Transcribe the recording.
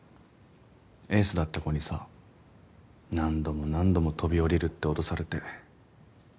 エースだった子にさ何度も何度も飛び降りるって脅されて。